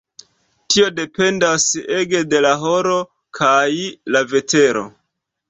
Tio dependas ege de la horo kaj la vetero.